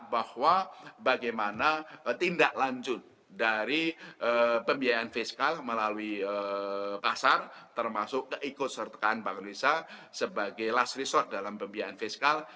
bahwa bagaimana tindak lanjut dari pembiayaan fiskal melalui pasar termasuk keikutsertaan bank indonesia sebagai last resort dalam pembiayaan fiskal